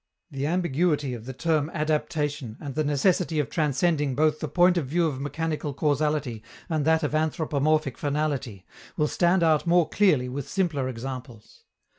The ambiguity of the term "adaptation," and the necessity of transcending both the point of view of mechanical causality and that of anthropomorphic finality, will stand out more clearly with simpler examples.